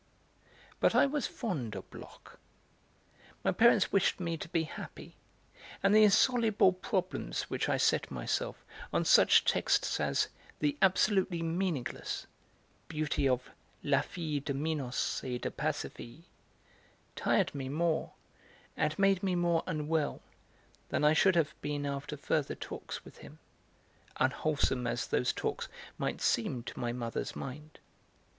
But I was fond of Bloch; my parents wished me to be happy; and the insoluble problems which I set myself on such texts as the 'absolutely meaningless' beauty of La fille de Minos et de Pasiphaë tired me more and made me more unwell than I should have been after further talks with him, unwholesome as those talks might seem to my mother's mind.